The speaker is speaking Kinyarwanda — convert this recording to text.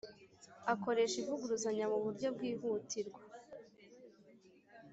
Akoresha ivuguruzanya mu buryo bwihutirwa